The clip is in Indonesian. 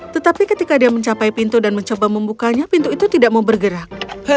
tetapi ketika dia mencapai pintu dan mencoba membukanya pintu itu tidak mau bergerak